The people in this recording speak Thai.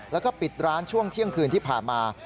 แล้วก็ปิดร้านช่วงเที่ยงคืนที่ผ่านมา